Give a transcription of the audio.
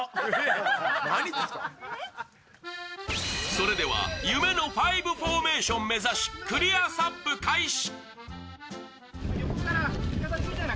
それでは夢の５フォーメーションを目指しクリアＳＵＰ開始。